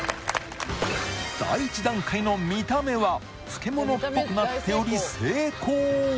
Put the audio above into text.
第一段階の見た目は漬物っぽくなっており成功